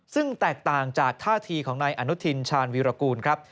ซึ่งแตกต่างจากท่าทีของนายอนุทินชาญวีรกูลครับ